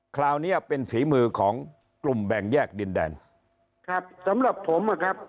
คราวนี้เป็นฝีมือของกลุ่มแบ่งแยกดินแดนครับสำหรับผมนะครับ